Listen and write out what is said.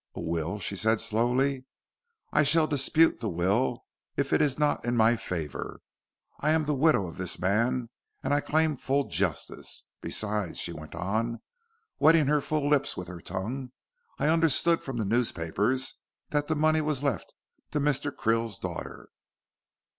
"A will," she said slowly. "I shall dispute the will if it is not in my favor. I am the widow of this man and I claim full justice. Besides," she went on, wetting her full lips with her tongue, "I understood from the newspapers that the money was left to Mr. Krill's daughter."